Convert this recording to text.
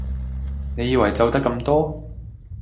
你以為就得咁多？